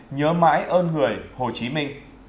nhớ mãi ơn người hồ chí minh